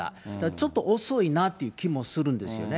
ちょっと遅いなっていう気もするんですよね。